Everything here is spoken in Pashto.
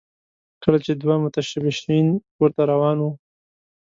کله چې دوه متشبثین کور ته روان وو